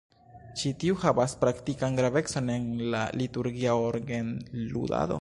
Ĉi tiu havas praktikan gravecon en la liturgia orgenludado.